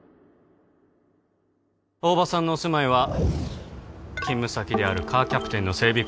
大庭さんのお住まいは勤務先であるカーキャプテンの整備